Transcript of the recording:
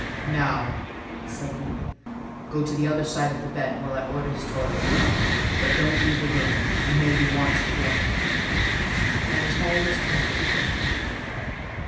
"Now," said he, "go to the other side of the bed while I order his toilet; but don't leave the room: you may be wanted again." I retired as directed.